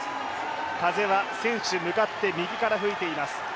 風は選手、向かって右から吹いています。